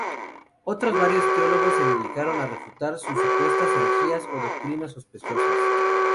Otros varios teólogos se dedicaron a refutar sus supuestas herejías o doctrinas sospechosas.